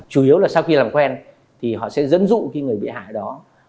chủ yếu là sau khi làm quen thì họ sẽ dẫn dụ cái người bị hại đó